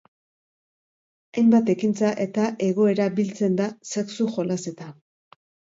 Hainbat ekintza eta egoera biltzen da sexu jolasetan.